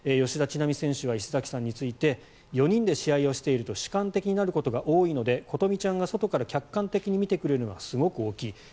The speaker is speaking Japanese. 吉田知那美選手は石崎さんについて４人で試合をしていると主観的になることが多いので琴美ちゃんが外から客観的に見てくれるのはすごく大きい。